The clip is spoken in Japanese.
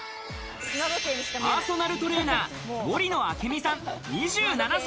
パーソナルトレーナー森野明